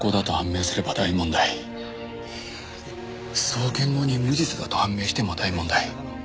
送検後に無実だと判明しても大問題。